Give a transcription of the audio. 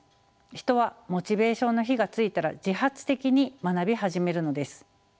人はモチベーションの火がついたら自発的に学び始めるのです。